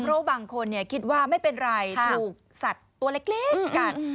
เพราะบางคนคิดว่าไม่เป็นไรถูกสัตว์ตัวเล็กกัด